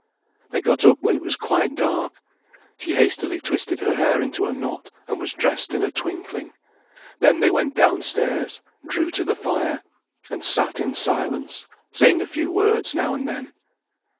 They got up when it was quite dark. She hastily twisted her hair into a knot, and was dressed in a twinkling. Then they went downstairs, drew to the fire, and sat in silence, saying a few words now and then.